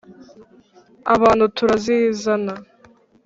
abantu turazizana.